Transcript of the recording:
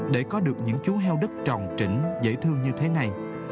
để có được những chú heo đất tròn chỉnh dễ thương như thế này